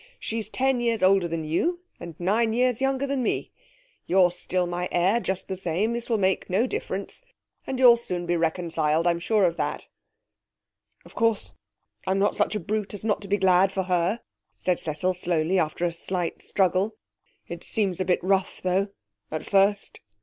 She's ten years older than you, and nine years younger than me.... You're still my heir just the same. This will make no difference, and you'll soon be reconciled. I'm sure of that.' 'Of course, I'm not such a brute as not to be glad, for her,' said Cecil slowly, after a slight struggle. 'It seems a bit rough, though, at first.'